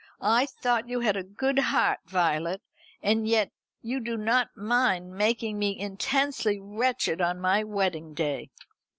I thought you had a good heart, Violet; and yet you do not mind making me intensely wretched on my wedding day."